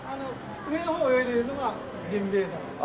上の方を泳いでいるのがジンベエザメです。